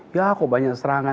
ya kok banyak serangan